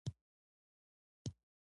دا د یادې شوې قاعدې له مخې بدلیږي.